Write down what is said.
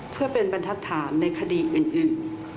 เพื่อเป็นบรรทัศนในคดีอื่น